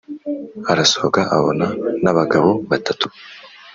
arasohoka abona nabagabo batatu